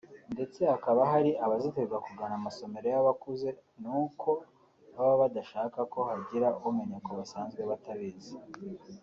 ndetse hakaba hari abazitirwa kugana amasomero y’abakuze n’uko baba badashaka ko hagira umenya ko basanzwe batabizi